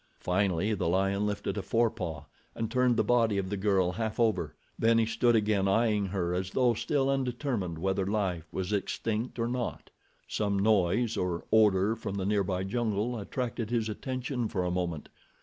Finally the lion lifted a forepaw and turned the body of the girl half over, then he stood again eyeing her as though still undetermined whether life was extinct or not. Some noise or odor from the nearby jungle attracted his attention for a moment.